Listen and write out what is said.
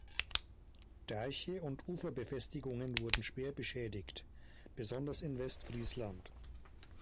Deiche und Uferbefestigungen wurden schwer beschädigt, besonders in Westfriesland.